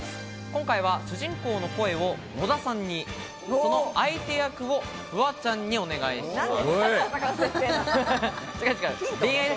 今回は主人公の声を野田さんに、その相手役をフワちゃんにお願いします。